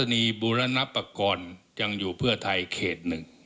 ที่ลำปลางทั้งสองพี่น้อง